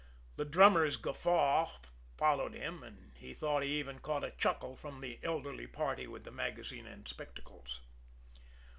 The drummer's guffaw followed him, and he thought he even caught a chuckle from the elderly party with the magazine and spectacles.